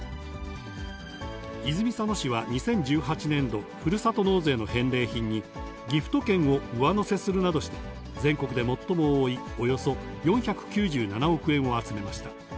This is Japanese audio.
泉佐野市は２０１８年度、ふるさと納税の返礼品に、ギフト券を上乗せするなどして、全国で最も多いおよそ４９７億円を集めました。